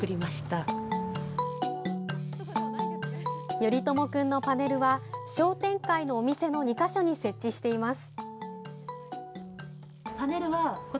ヨリトモくんのパネルは商店会のお店の２か所に設置しています。